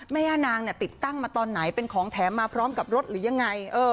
แม่ย่านางติดตั้งมาตอนไหนเป็นของแถมมาพร้อมกับรถหรือยังไง